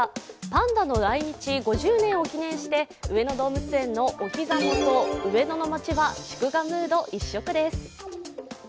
パンダの来日５０年を記念して上野動物園のお膝元上野の街は祝賀ムード一色です。